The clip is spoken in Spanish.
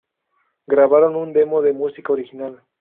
Grabaron un demo de música original.